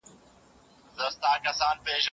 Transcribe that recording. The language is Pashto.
د ټولني مشر باید پرهیزګار او عادل وي.